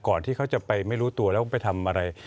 ใครไม่รู้ตัวแล้วไปทำอะไร